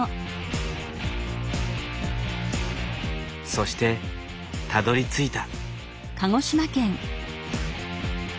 そしてたどりついた。